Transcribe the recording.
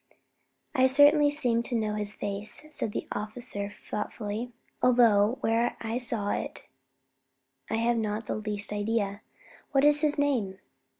"I certainly seem to know his face," said the officer, thoughtfully, "although where I saw it I have not the least idea. What is his name?"